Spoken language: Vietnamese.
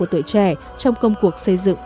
tuổi trẻ trong công cuộc xây dựng